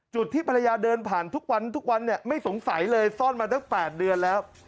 ที่ภรรยาเดินผ่านทุกวันทุกวันเนี่ยไม่สงสัยเลยซ่อนมาตั้ง๘เดือนแล้ว